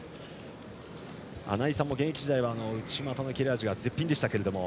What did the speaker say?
穴井さんも現役時代は内股の切れ味が絶品でしたけれども。